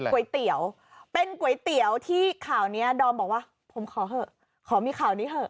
ก๋วยเตี๋ยวเป็นก๋วยเตี๋ยวที่ข่าวนี้ดอมบอกว่าผมขอเถอะขอมีข่าวนี้เถอะ